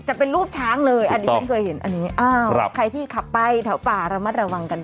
จะเป็นรูปช้างเลยอันนี้ฉันเคยเห็นอันนี้อ้าวใครที่ขับไปแถวป่าระมัดระวังกัน